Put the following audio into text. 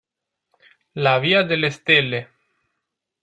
La via delle stelle